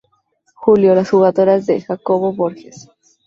Julio: Las jugadoras, de Jacobo Borges.